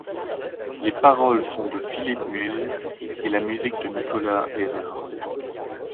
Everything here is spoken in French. Les paroles sont de Philippe Muyl et la musique de Nicolas Errèra.